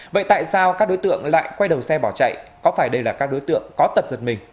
vậy tại sao các đối tượng lại quay đầu xe bỏ chạy có phải đây là các đối tượng có tật giật mình